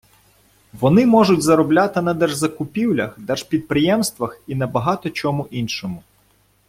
Вони можуть заробляти на держзакупівлях, держпідприємствах і на багато чому іншому.